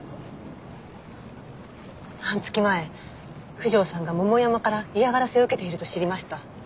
半月前九条さんが桃山から嫌がらせを受けていると知りました。